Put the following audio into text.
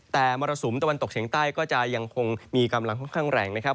แต่มรสุมตะวันตกเฉียงใต้ก็จะยังคงมีกำลังค่อนข้างแรงนะครับ